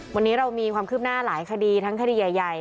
วันนี้เรามีความคืบหน้าหลายคดีทั้งคดีใหญ่